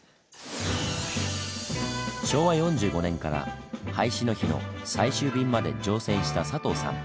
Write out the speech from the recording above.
昭和４５年から廃止の日の最終便まで乗船した佐藤さん。